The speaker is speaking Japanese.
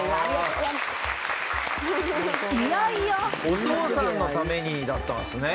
お父さんのためにだったんですね。